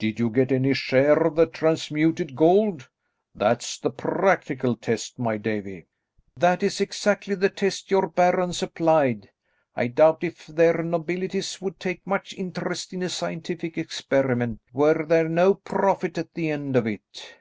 Did you get any share of the transmuted gold? That's the practical test, my Davie." "That is exactly the test your barons applied. I doubt if their nobilities would take much interest in a scientific experiment were there no profit at the end of it.